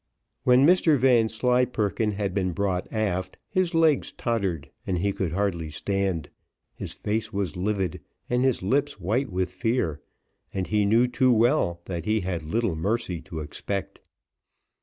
When Mr Vanslyperken had been brought aft, his legs tottered, and he could hardly stand. His face was livid, and his lips white with fear, and he knew too well that he had little mercy to expect.